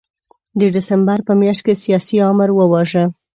د ډسمبر په میاشت کې سیاسي آمر وواژه.